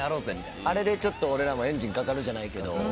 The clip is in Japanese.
あれでちょっと俺らもエンジンかかるじゃないけど。